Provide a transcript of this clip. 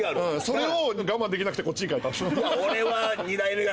それを我慢できなくてこっちに変えたっていう。